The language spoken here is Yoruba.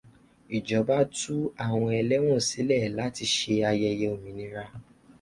Ìjọba tú àwọn ẹlẹ́wọn sílẹ̀ láti ṣe ayeye òmìnira.